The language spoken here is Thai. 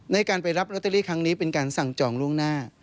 ในการไปรับลอตเตอรี่ครั้งนี้เป็นการสั่งจองล่วงหน้า